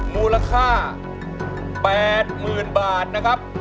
มูลค่า๘๐๐๐บาทนะครับ